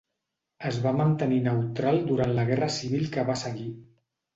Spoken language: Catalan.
Es va mantenir neutral durant la guerra civil que va seguir.